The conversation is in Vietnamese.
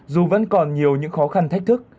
dù vẫn còn nhiều những khó khăn thách thức